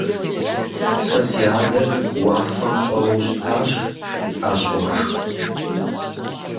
Сэ си адэр уафэм щӀэуэу щытащ, - жиӀащ Уашхэм.